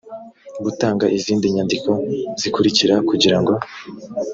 gutanga izindi nyandiko zikurikira kugirango